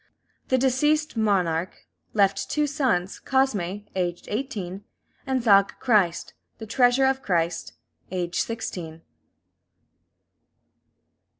The deceased monarch left two sons Cosme, aged eighteen; and Zaga Christ, or The Treasure of Christ, aged sixteen.